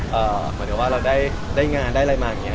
เหมือนกับว่าเราได้งานได้อะไรมาอย่างนี้